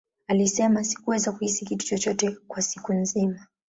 Alisema, Sikuweza kuhisi kitu chochote kwa siku nzima.